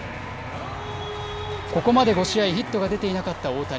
ここまで５試合ヒットが出ていなかった大谷。